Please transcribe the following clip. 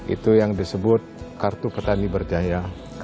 itu yang disebut kartu petani berjaya